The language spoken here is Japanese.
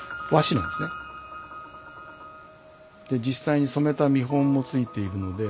で実際に染めた見本も付いているので。